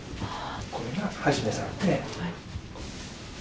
これが肇さんで。